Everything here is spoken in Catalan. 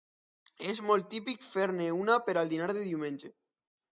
És molt típic fer-ne una per al dinar de diumenge.